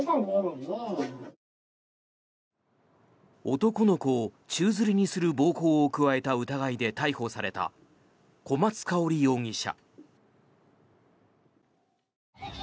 男の子を宙づりにする暴行を加えた疑いで逮捕された小松香織容疑者。